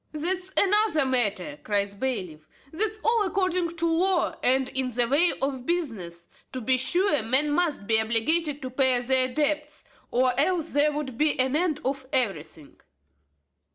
"That's another matter," cries the bailiff; "that's all according to law, and in the way of business. To be sure, men must be obliged to pay their debts, or else there would be an end of everything."